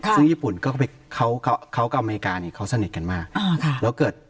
ซึ่งญี่ปุ่นเขากับอเมริกาสนิทกันมาก